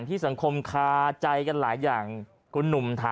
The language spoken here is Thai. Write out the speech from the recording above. พี่หนุ่มฮะ